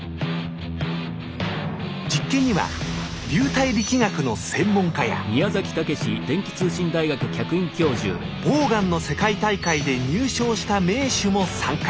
実験には流体力学の専門家やボウガンの世界大会で入賞した名手も参加。